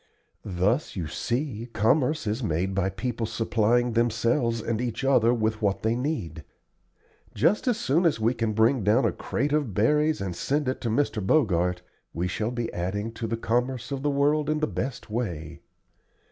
Thus you see commerce is made by people supplying themselves and each other with what they need. Just as soon as we can bring down a crate of berries and send it to Mr. Bogart we shall be adding to the commerce of the world in the best way.